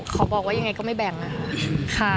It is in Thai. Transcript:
ขอบอกว่ายังไงก็ไม่แบ่งนะคะ